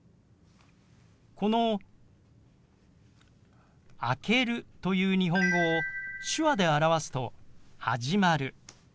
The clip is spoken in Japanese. この「明ける」という日本語を手話で表すと「始まる」。